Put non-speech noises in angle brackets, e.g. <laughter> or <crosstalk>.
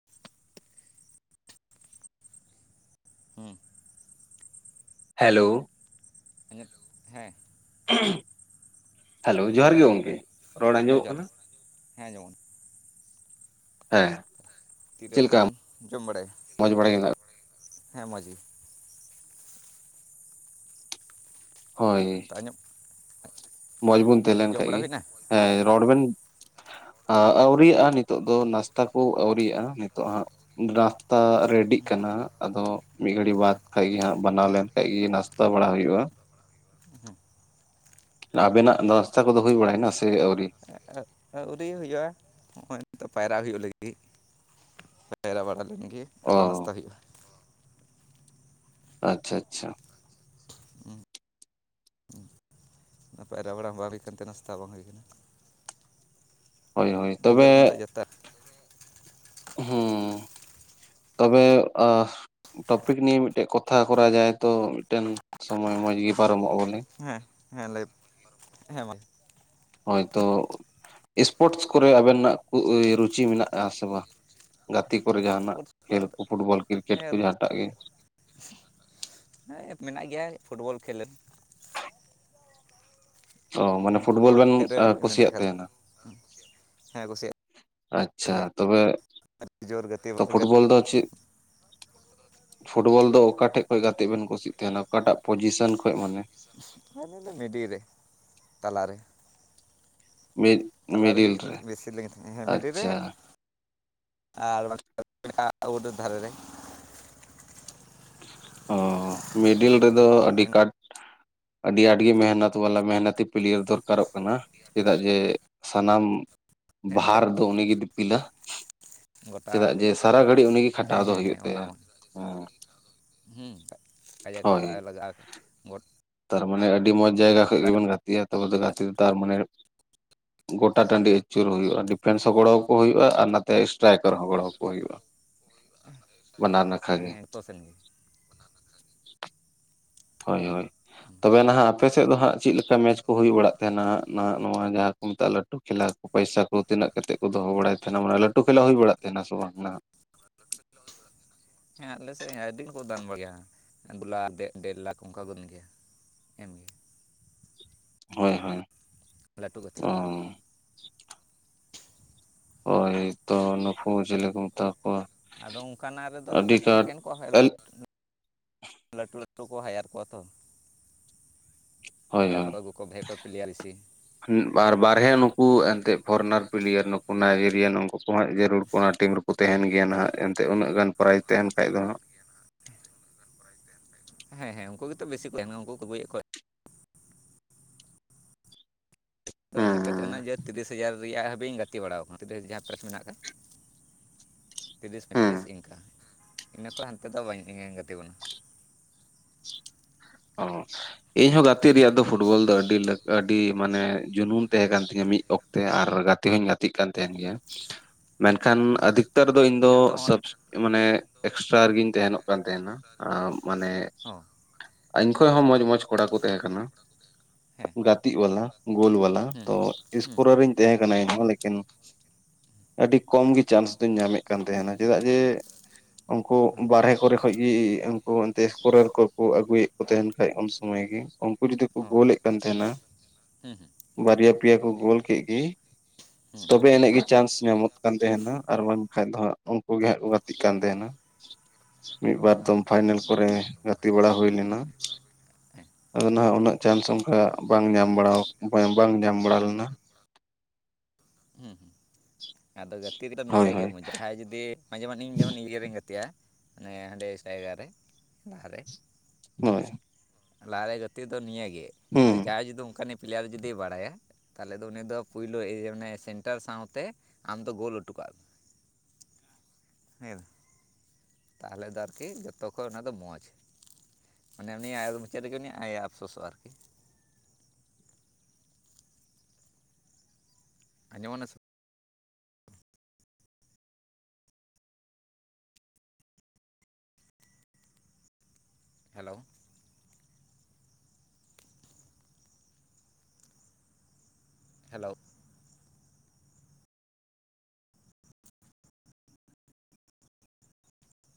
<unintelligible> ᱦᱩᱸ᱾ Hello. Hello, ᱦᱮᱸ᱾ Hello ᱡᱚᱦᱟᱨ ᱜᱮ ᱛᱟᱦᱚᱞᱮ ᱛᱤᱨᱮᱵᱮᱱ ᱜᱚᱝᱠᱮ, ᱨᱚᱲ ᱦᱮᱸ ᱟᱸᱡᱚᱢᱚᱜ ᱡᱚᱦᱟᱨ ᱠᱟᱱᱟ? ᱦᱮᱸ ᱟᱸᱡᱚᱢᱚᱜ ᱦᱮᱸ᱾ ᱛᱤᱨᱮ ᱪᱮᱫ ᱛᱟᱦᱞᱮ ᱞᱮᱠᱟ ᱵᱮᱱ ᱡᱚᱢ ᱵᱟᱲᱟᱭᱟ? ᱢᱚᱸᱡᱽ ᱵᱟᱲᱟ ᱜᱮ ᱢᱮᱱᱟᱜ ᱦᱮᱸ ᱢᱚᱡᱽ ᱜᱮ᱾ ᱦᱳᱭ᱾ ᱱᱮᱛᱟᱜ ᱢᱚᱸᱡᱽ ᱵᱚᱱ ᱛᱟᱦᱮᱸ ᱧᱚᱜ ᱞᱮᱱ ᱡᱚᱢ ᱠᱷᱟᱡ ᱵᱟᱲᱟ ᱜᱮ, ᱦᱩᱭᱱᱟ ᱦᱮᱸ ᱨᱚᱲ ᱵᱮᱱ᱾ ᱟᱸ, ᱟᱹᱣᱨᱤᱭᱟᱜ-ᱟ ᱱᱤᱛᱳᱜ ᱫᱚ ᱱᱟᱥᱛᱟ ᱠᱚ ᱟᱹᱣᱨᱤᱭᱟᱜ-ᱟ ᱱᱤᱛᱳᱜ ᱦᱟᱸᱜ᱾ ᱱᱟᱥᱛᱟ ᱨᱤᱰᱤᱜ ᱠᱟᱱᱟ ᱟᱫᱚ ᱢᱤᱫ ᱜᱷᱟᱲᱤᱡ ᱵᱟᱫ ᱠᱷᱟᱡ ᱜᱮ ᱦᱟᱸᱜ ᱵᱟᱱᱟᱣ ᱞᱮᱱ ᱠᱷᱟᱡ ᱜᱮ ᱱᱟᱥᱛᱟ ᱵᱟᱲᱟ ᱦᱩᱭᱩᱜ-ᱟ ᱦᱩᱸ᱾ ᱟᱵᱮᱱᱟᱜ ᱱᱟᱥᱛᱟ ᱠᱚᱫᱚ ᱦᱩᱭ ᱵᱟᱲᱟᱭᱮᱱᱟ ᱥᱮ ᱟᱹᱣᱨᱤ? <unintelligible> ᱟᱹᱣᱨᱤ ᱦᱩᱭᱩᱜ-ᱟ, ᱦᱚᱸᱜ-ᱚᱭ ᱱᱤᱛᱳᱜ ᱯᱟᱭᱨᱟᱜ ᱦᱩᱭᱩᱜ ᱞᱟᱹᱜᱤᱫ ᱯᱟᱭᱨᱟ ᱵᱟᱲᱟ ᱞᱮᱱ ᱜᱮ᱾ ᱚ ᱟᱫᱚ ᱱᱟᱥᱛᱟ ᱦᱩᱭᱩᱜ-ᱟ᱾ ᱟᱪᱪᱷᱟ ᱟᱪᱪᱷᱟ᱾ ᱯᱟᱭᱨᱟ ᱵᱟᱲᱟ ᱵᱟᱝ ᱦᱩᱭ ᱠᱟᱱᱛᱮ ᱱᱟᱥᱛᱟ ᱵᱟᱝ ᱦᱩᱭ ᱠᱟᱱᱟ᱾ ᱦᱳᱭ ᱦᱳᱭ, ᱛᱚᱵᱮ <unintelligible> ᱦᱩᱸ, ᱛᱚᱵᱮ ᱟ ᱴᱚᱯᱤᱠ ᱱᱤᱭᱮ ᱢᱤᱫᱴᱮᱱ ᱠᱚᱛᱷᱟ ᱠᱚᱨᱟ ᱡᱟᱭ ᱛᱚ ᱢᱤᱫᱴᱮᱱ ᱥᱚᱢᱚᱭ ᱢᱚᱸᱡᱽ ᱜᱮ ᱯᱟᱨᱚᱢᱚᱜ-ᱟ ᱵᱚᱞᱮ᱾ ᱦᱮᱸ ᱦᱮᱸ ᱞᱟᱹᱭ ᱦᱮᱸ ᱢᱟ ᱦᱳᱭᱛᱚ ᱮᱥᱯᱳᱴ ᱠᱚᱨᱮ ᱟᱵᱮᱱᱟᱜ ᱤᱭᱟᱹ ᱨᱩᱪᱤ ᱢᱮᱱᱟᱜ-ᱟ ᱥᱮ ᱵᱟ? ᱜᱟᱛᱤ ᱠᱚᱨᱮ ᱡᱟᱸᱦᱟᱱᱟᱜ ᱥᱯᱳᱨᱴᱥ ᱠᱷᱮᱹᱞ ᱠᱚᱨᱮ ᱫᱚ ᱠᱚ ᱯᱷᱩᱴᱵᱚᱞ ᱠᱮᱨᱠᱮᱴ ᱦᱮᱸ ᱠᱚ ᱨᱩᱪᱤ ᱡᱟᱸᱦᱟᱴᱟᱜ ᱜᱮ᱾ ᱦᱮᱸ ᱢᱮᱱᱟᱜ ᱜᱮᱭᱟ ᱯᱷᱩᱴᱵᱚᱞ ᱠᱷᱮᱹᱞ᱾ ᱚ, ᱢᱟᱱᱮ ᱯᱷᱩᱴᱵᱚᱞ ᱵᱮᱱ ᱠᱷᱮᱞ ᱨᱮ ᱢᱮᱱᱟᱜ ᱠᱩᱥᱤᱭᱟᱜ ᱟᱠᱟᱫᱟ ᱛᱟᱸᱦᱮᱱᱟ? ᱦᱮᱸ ᱠᱩᱥᱤᱭᱟᱜ ᱟᱪᱪᱷᱟ ᱛᱟᱦᱮᱸᱫ ᱛᱚᱵᱮ ᱟᱹᱰᱤ ᱡᱳᱨ ᱜᱟᱛᱮ ᱛᱚ, ᱜᱟᱛᱮ ᱯᱷᱩᱴᱵᱚᱞ ᱫᱚ ᱪᱮᱫ? ᱯᱷᱩᱴᱵᱚᱞ ᱫᱚ ᱚᱠᱟᱴᱷᱮᱡ ᱠᱷᱚᱡ ᱜᱟᱛᱮᱜ ᱵᱮᱱ ᱠᱩᱥᱤᱜ ᱛᱟᱸᱦᱮᱱᱟ ᱚᱠᱟᱴᱟᱜ ᱯᱚᱪᱤᱥᱮᱱ ᱠᱷᱚᱱᱚᱜ ᱢᱟᱱᱮ? <unintelligible> ᱢᱤᱰᱤᱞ ᱨᱮ, ᱛᱟᱞᱟ ᱨᱮ᱾ ᱢᱤᱫ ᱛᱟᱞᱟ ᱨᱮᱜᱮ ᱢᱤᱰᱤᱞ ᱨᱮ ᱵᱮᱥᱤ ᱞᱤᱧ ᱛᱟᱦᱮᱸᱜ, ᱢᱤᱰᱤᱞ ᱨᱮ᱾ ᱟᱪᱪᱷᱟ ᱟᱨ ᱵᱟᱝᱠᱷᱟᱡ ᱟᱣᱩᱴ ᱰᱳᱨ ᱫᱷᱟᱨᱮ ᱨᱮ᱾ ᱚ, ᱢᱤᱰᱤᱞ ᱨᱮᱫᱚ ᱟᱹᱰᱤ ᱠᱟᱴ ᱟᱹᱰᱤ ᱟᱹᱰᱤ ᱢᱮᱦᱱᱚᱛ ᱵᱟᱞᱟ ᱢᱮᱦᱚᱱᱚᱛᱤ ᱯᱤᱞᱟᱭᱟᱹᱨ ᱫᱚᱨᱠᱟᱨᱚᱜ ᱠᱟᱱᱟ᱾ ᱪᱮᱫᱟᱜ ᱡᱮ ᱥᱟᱱᱟᱢ ᱦᱮᱸ ᱚᱸᱰᱮ ᱵᱟᱦᱟᱨ ᱫᱚ ᱩᱱᱤᱜᱮ ᱫᱤᱯᱤᱞᱟ᱾ ᱜᱚᱴᱟ ᱪᱮᱫᱟᱜ ᱡᱮ ᱥᱟᱨᱟ ᱜᱷᱟᱹᱲᱤᱡ ᱩᱱᱤᱜᱮ ᱠᱷᱟᱴᱟᱣ ᱫᱚ ᱦᱩᱭᱩᱜ ᱛᱟᱭᱟ, ᱦᱩᱸ᱾ ᱦᱩᱸ, ᱠᱟᱡᱟᱠ ᱦᱳᱭ ᱠᱷᱟᱴᱟᱜ-ᱟ, ᱞᱟᱜᱟᱜ-ᱟ <unintelligible> ᱛᱟᱨᱢᱟᱱᱮ ᱟᱹᱰᱤ ᱢᱚᱸᱡᱽ ᱡᱟᱭᱜᱟ ᱠᱷᱚᱡ ᱜᱮᱵᱮᱱ ᱜᱟᱛᱮᱜ-ᱟ ᱛᱚᱵᱮ ᱫᱚ ᱜᱟᱛᱮ ᱨᱮᱛᱚ ᱛᱟᱨᱢᱟᱱᱮ <inaudible> ᱜᱚᱴᱟ ᱴᱟᱺᱰᱤ ᱟᱹᱪᱩᱨ ᱦᱩᱭᱩᱜ-ᱟ ᱰᱤᱯᱷᱮᱱᱥ ᱦᱚᱸ ᱜᱚᱲᱚᱣᱟᱠᱚ ᱦᱩᱭᱩᱜ-ᱟ ᱟᱨ ᱱᱟᱛᱮ ᱮᱥᱴᱨᱟᱭᱠᱟᱨ ᱦᱚᱸ ᱜᱚᱲᱚᱣᱟᱠᱚ ᱦᱩᱭᱩᱜ-ᱟ᱾ ᱦᱳᱭ᱾ ᱵᱟᱱᱟᱨ ᱱᱟᱠᱷᱟ ᱜᱮ ᱡᱷᱚᱛᱚ ᱥᱮᱱ ᱜᱮ ᱦᱳᱭ ᱦᱳᱭ ᱛᱚᱵᱮ ᱱᱟᱦᱟᱸᱜ ᱟᱯᱮ ᱥᱮᱫ ᱫᱚ ᱦᱟᱸᱜ ᱪᱮᱫ ᱞᱮᱠᱟ ᱢᱮᱪ ᱠᱚ ᱦᱩᱭᱩᱜ ᱵᱟᱲᱟᱜ ᱛᱟᱦᱮᱱᱟ ᱱᱟᱦᱟᱸᱜ ᱱᱚᱣᱟ ᱡᱟᱦᱟᱸ ᱢᱮᱛᱟᱜᱼᱟ ᱞᱟᱹᱴᱩ ᱠᱷᱮᱞᱟ ᱠᱚ ᱯᱚᱭᱥᱟ ᱠᱚ ᱛᱤᱱᱟᱹᱜ ᱠᱟᱛᱮᱫ ᱠᱚ ᱫᱚᱦᱚ ᱵᱟᱲᱟᱭ ᱛᱟᱦᱮᱱᱟ ᱢᱟᱱᱮ ᱞᱟᱹᱴᱩ ᱠᱷᱮᱞᱟ ᱦᱩᱭ ᱵᱟᱲᱟᱜ ᱛᱟᱦᱮᱱᱟ ᱥᱮ ᱵᱟᱝ ᱱᱟᱦᱟᱸᱜ? <unintelligible> ᱦᱮᱸ ᱟᱞᱮᱥᱮᱫ ᱟᱹᱰᱤ ᱜᱮᱠᱚ ᱫᱟᱱ ᱵᱟᱲᱟᱭᱟ ᱫᱮᱝ ᱰᱮᱲ ᱞᱟᱠᱷ ᱚᱱᱠᱟ ᱫᱟᱱ ᱜᱮᱭᱟ᱾ ᱮᱢᱜᱮ ᱦᱳᱭ ᱦᱳᱭ ᱞᱟᱹᱴᱩ ᱜᱟᱛᱮ ᱚ ᱠᱚᱨᱮ ᱦᱳᱭᱛᱚ ᱱᱩᱠᱩ ᱪᱮᱞᱮ ᱠᱚ ᱢᱮᱛᱟ ᱠᱚᱣᱟ? ᱟᱫᱚ ᱚᱱᱠᱟᱱᱟᱜ ᱨᱮᱫᱚ ᱟᱹᱰᱤ ᱠᱟᱹᱴᱤᱡ ᱠᱟᱴ ᱮᱠᱮᱱ ᱠᱚ ᱦᱮᱡ ᱮᱞ ᱞᱟᱹᱴᱩ ᱞᱟᱹᱴᱩ ᱞᱟᱹᱴᱩ ᱠᱚ ᱦᱟᱭᱟᱨ ᱠᱚᱣᱟ ᱛᱚ᱾ ᱦᱳᱭ ᱮᱴᱟᱜ ᱦᱳᱭ ᱠᱚ ᱟᱹᱜᱩᱠᱚ ᱵᱷᱮ ᱠᱚᱨ ᱯᱤᱞᱤᱭᱟᱨ ᱵᱤᱥᱤ ᱟᱨ ᱵᱟᱨᱦᱮ ᱱᱩᱠᱩ ᱮᱱᱛᱜ ᱯᱷᱚᱨᱮᱱᱟᱨ ᱯᱞᱮᱭᱟᱨ ᱱᱩᱠᱩ ᱱᱟᱭᱡᱮᱨᱤᱭᱟᱱ ᱩᱱᱠᱩ ᱠᱚᱦᱚᱸ ᱡᱟᱹᱨᱩᱲ ᱚᱱᱟ ᱴᱤᱢ ᱨᱮᱠᱚ ᱛᱟᱦᱮᱱ ᱜᱮᱭᱟ ᱱᱟᱦᱟᱸᱜ ᱮᱱᱛᱮ ᱩᱱᱟᱹᱜ ᱜᱟᱱ ᱯᱨᱟᱭᱤᱡ ᱛᱟᱦᱮᱱ ᱠᱷᱟᱡ ᱫᱚ ᱦᱟᱸᱜ ᱦᱮᱸ ᱦᱮᱸ ᱩᱱᱠᱩ ᱜᱮᱛᱚ ᱵᱮᱥᱤ ᱠᱚ ᱛᱟᱦᱮᱱ ᱩᱱᱠᱩ ᱠᱚᱜᱩᱭᱮᱫ ᱠᱚᱣᱟ᱾ ᱦᱟᱸᱜ <unintelligible> ᱦᱩᱸ ᱜᱟᱛᱮᱱᱟ ᱡᱮ ᱛᱤᱨᱤᱥ ᱦᱟᱡᱟᱨ ᱨᱮᱭᱟᱜ ᱦᱟᱹᱵᱤᱡ ᱤᱧ ᱜᱟᱛᱮ ᱵᱟᱲᱟᱣ ᱠᱟᱱᱟ ᱛᱤᱨᱤᱥ ᱦᱟ ᱡᱟᱦᱟᱸ ᱯᱨᱮᱥ ᱢᱮᱱᱟᱜ ᱟᱠᱟᱫ ᱛᱤᱨᱤᱥ ᱦᱩᱸ ᱯᱚᱸᱭᱛᱨᱤᱥ ᱤᱱᱠᱟᱹ ᱤᱱᱟᱹ ᱠᱷᱚᱱ ᱦᱟᱱᱛᱮ ᱫᱚ ᱵᱟᱹᱧ ᱜᱟᱛᱮ ᱠᱟᱱᱟ᱾ ᱚ ᱤᱧ ᱦᱚᱸ ᱜᱟᱛᱮᱜ ᱨᱮᱭᱟᱜ ᱫᱚ ᱯᱷᱩᱴᱵᱚᱞ ᱫᱚ ᱟᱹᱰᱤ ᱟᱹᱰᱤ ᱢᱟᱱᱮ ᱡᱩᱱᱩᱢ ᱛᱟᱦᱮᱸ ᱠᱟᱱ ᱛᱤᱧᱟᱹ ᱢᱤᱫ ᱚᱠ ᱛᱮ ᱟᱨ ᱜᱟᱛᱮ ᱦᱚᱧ ᱜᱟᱛᱮᱜ ᱠᱟᱱ ᱛᱟᱦᱮᱱ ᱜᱮᱭᱟ ᱢᱮᱱᱠᱷᱟᱱ ᱟᱹᱫᱤᱠ ᱛᱟᱨ ᱫᱚ ᱤᱧ ᱫᱚ ᱟᱫᱚ ᱥᱚᱯᱥ ᱦᱚᱸᱜᱼᱚᱭ ᱢᱟᱱᱮ ᱮᱠᱥᱴᱨᱟ ᱨᱮᱜᱮᱧ ᱛᱟᱦᱮᱼᱱᱚᱜ ᱠᱟᱱ ᱛᱟᱦᱮᱱᱟ ᱢᱟᱱᱮ ᱦᱚᱸ ᱤᱧ ᱠᱷᱚᱡ ᱦᱚᱸ ᱢᱚᱸᱡᱽ ᱢᱚᱸᱡᱽ ᱠᱚᱲᱟ ᱠᱚ ᱛᱟᱦᱮᱸ ᱠᱟᱱᱟ᱾ ᱦᱮᱸ ᱜᱟᱛᱮᱜ ᱣᱟᱞᱟ ᱜᱳᱞ ᱣᱟᱞᱟ ᱦᱩᱸ ᱛᱚ ᱦᱩᱸ ᱥᱠᱳᱨᱟᱨᱤᱧ ᱛᱟᱦᱮᱸ ᱠᱟᱱᱟ ᱦᱚᱸ ᱞᱮᱠᱤᱱ ᱟᱹᱰᱤ ᱠᱚᱢ ᱜᱮ ᱪᱟᱱᱥ ᱫᱚᱧ ᱧᱟᱢᱮᱫ ᱠᱟᱱ ᱛᱟᱦᱮᱱᱟ ᱪᱮᱫᱟᱜ ᱡᱮ ᱩᱱᱠᱩ ᱦᱚᱸ ᱵᱟᱨᱦᱮ ᱠᱚᱨᱮ ᱠᱷᱚᱱ ᱜᱮ ᱩᱱᱠᱩ ᱮᱱᱛᱮ ᱮᱥᱠᱨᱚᱨ ᱠᱚ ᱠᱚ ᱟᱹᱜᱩᱭᱮᱫ ᱠᱚ ᱛᱟᱦᱮᱱ ᱠᱷᱟᱡ ᱩᱱ ᱥᱩᱢᱚᱭ ᱜᱮ ᱩᱱᱠᱩ ᱡᱩᱫᱤ ᱠᱚ ᱜᱳᱞᱮᱫ ᱠᱟᱱ ᱛᱟᱦᱮᱱᱟ᱾ ᱦᱮᱸ ᱦᱮᱸ ᱵᱟᱨᱭᱟ ᱯᱮᱭᱟ ᱠᱚ ᱜᱳᱞ ᱠᱮᱫ ᱜᱮ ᱦᱩᱸ ᱛᱚᱵᱮ ᱟᱹᱱᱮᱡ ᱜᱮ ᱪᱟᱱᱥ ᱧᱟᱢᱚᱜ ᱠᱟᱱ ᱛᱟᱦᱮᱱᱟ ᱟᱨ ᱵᱟᱝᱠᱷᱟᱱ ᱫᱚ ᱦᱟᱸᱜ ᱩᱱᱠᱩ ᱜᱮ ᱦᱟᱸᱜ ᱠᱚ ᱜᱟᱛᱮᱜ ᱠᱟᱱ ᱛᱟᱦᱮᱱᱟ᱾ ᱢᱤᱫ ᱵᱟᱨ ᱦᱚᱸ ᱫᱚᱢ ᱯᱷᱟᱭᱱᱮᱞ ᱠᱚᱨᱮ ᱜᱟᱛᱮ ᱵᱟᱲᱟ ᱦᱩᱭ ᱞᱮᱱᱟ᱾ ᱦᱮᱸ ᱟᱫᱚ ᱱᱟᱦᱟᱸᱜ ᱩᱱᱟᱹᱜ ᱪᱟᱱᱥ ᱚᱱᱠᱟ ᱵᱟᱝ ᱧᱟᱢ ᱵᱟᱲᱟ ᱵᱟᱝ ᱧᱟᱢ ᱵᱟᱲᱟ ᱞᱮᱱᱟ᱾ ᱦᱩᱸ ᱦᱩᱸ ᱟᱫᱚ ᱜᱟᱛᱮ <unintelligible> ᱱᱚᱸᱰᱮ ᱦᱳᱭ ᱜᱮ ᱦᱳᱭ ᱢᱚᱸᱡᱟ ᱡᱟᱦᱟᱸᱭ ᱡᱩᱫᱤ ᱢᱟ ᱡᱮᱢᱟᱱ ᱤᱧ ᱡᱮᱢᱚᱱ ᱤᱧ ᱵᱟᱹᱧ ᱜᱟᱛᱮᱜᱼᱟ᱾ ᱟᱱᱮ ᱦᱟᱸᱰᱮ ᱡᱟᱭᱜᱟ ᱨᱮ ᱞᱟᱦᱟᱨᱮ ᱦᱳᱭ ᱞᱟᱦᱟᱨᱮ ᱜᱟᱛᱮᱜ ᱫᱚ ᱱᱤᱭᱟᱹᱜᱮ ᱡᱩᱫᱤ ᱦᱩᱸ ᱡᱟᱭ ᱡᱩᱫᱤ ᱚᱱᱠᱟᱱᱤᱡ ᱯᱞᱮᱭᱟᱨ ᱡᱩᱫᱤᱭ ᱵᱟᱲᱟᱭᱟ᱾ ᱛᱟᱦᱚᱞᱮ ᱫᱚ ᱩᱱᱤ ᱫᱚ ᱯᱳᱭᱞᱳᱮ ᱤᱭᱟ. ᱥᱮᱱᱴᱟᱨ ᱥᱟᱶᱛᱮ ᱟᱢᱫᱚ ᱜᱳᱞ ᱦᱚᱴᱚ ᱠᱟᱜ ᱦᱮᱸ ᱛᱟᱦᱚᱞᱮ ᱫᱚ ᱟᱨᱠᱤ ᱡᱚᱛᱚ ᱠᱷᱚᱡ ᱚᱱᱟ ᱫᱚ ᱢᱚᱡᱽ ᱢᱟᱱᱮ ᱩᱱᱤᱭᱟᱜ <unintelligible> ᱪᱮᱫ ᱞᱟ. ᱜᱤᱜ ᱩᱱᱤ ᱟᱭᱟᱜ ᱟᱯᱥᱳᱥᱚᱜ ᱟᱨᱠᱤ ᱟᱸᱡᱚᱢᱱᱟ <unintelligible> ᱦᱮᱞᱳ ᱦᱮᱞᱳ